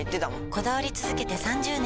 こだわり続けて３０年！